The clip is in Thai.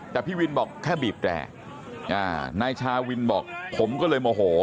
แต่พี่วินบอกแค่บีบแตรนายชาวินบอกผมก็เลยโมโห